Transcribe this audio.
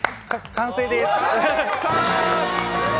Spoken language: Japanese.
完成です！